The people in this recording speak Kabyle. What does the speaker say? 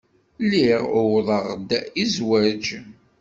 Lliɣ uwḍeɣ-d i zzwaj.